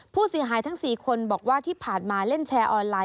ผู้เสียหายทั้ง๔คนบอกว่าที่ผ่านมาเล่นแชร์ออนไลน